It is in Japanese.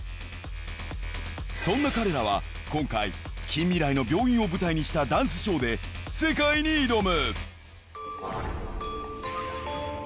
そんな彼らは今回近未来の病院を舞台にしたダンスショーで世界に挑む